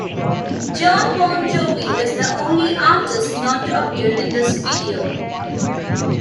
Jon Bon Jovi is the only artist not to appear in this video.